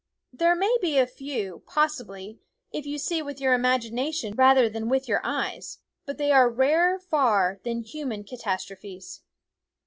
" There may be a few, possibly, if you see with your imagi nation rather than with your eyes ; but they are rarer far than human catastrophes.